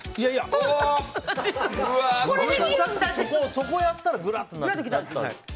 そこやったらぐらっとなる。